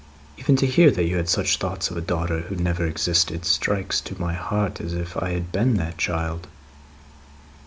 Even to hear that you had such thoughts of a daughter who never existed, strikes to my heart as if I had been that child."